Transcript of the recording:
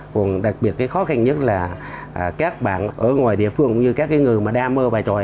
cũng như các cái người mà đam mê bài tròi